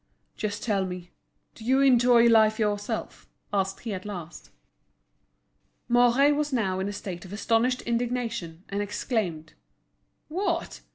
"Just tell me, do you enjoy life yourself?" asked he at last. Mouret was now in a state of astonished indignation, and exclaimed: "What?